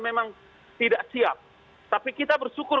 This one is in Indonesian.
memang tidak siap tapi kita bersyukur